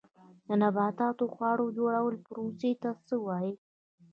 د نباتاتو د خواړو جوړولو پروسې ته څه وایي